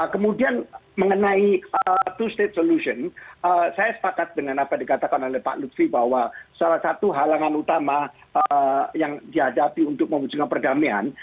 kemudian mengenai two state solution saya sepakat dengan apa yang dikatakan oleh pak lutfi bahwa salah satu halangan utama yang dihadapi untuk mewujudkan perdamaian